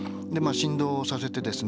振動をさせてですね